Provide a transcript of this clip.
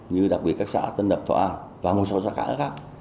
như đặc biệt các xã tân đập thọ a và một số xã cả khác